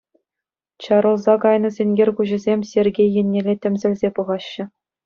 Чарӑлса кайнӑ сенкер куҫӗсем Сергей еннелле тӗмсӗлсе пӑхаҫҫӗ.